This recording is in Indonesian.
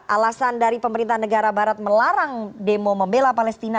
alasan dari pemerintah negara barat melarang demo membela palestina